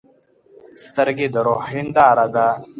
سترګې د روح هنداره ده.